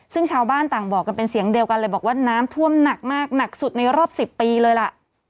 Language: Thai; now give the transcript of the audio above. ซึ่งชาวบ้านต่างบอกกันเป็นเสียงเดียวกันเลยบอกว่าน้ำท่วมหนักมากหนักสุดในรอบ๑๐ปีเลยล่ะ